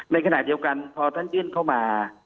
ในขณะเดียวกันพอท่านยื่นเข้ามา